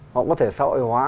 họ có thể xã hội hóa